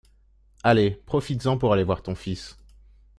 Allez, profites-en pour aller voir ton fils.